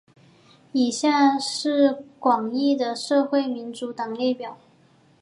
以下是广义的社会民主党列表。